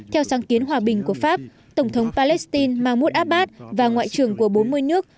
theo sáng kiến hòa bình của pháp tổng thống palestine mahmoud abbas và ngoại trưởng của bốn mươi nước